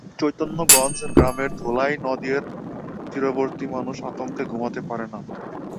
চৈতন্যগঞ্জ গ্রামের ধলাই নদের তীরবর্তী মানুষ আতঙ্কে রাতে ঘুমাতে পারেন না।